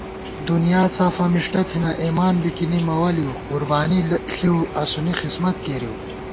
دُنیاسافاں مِݭٹہ تھنہ، اېمان بِکِنی مہ وَلِؤ، قربانی ݪِؤ اسُونی خسمت کېرِؤ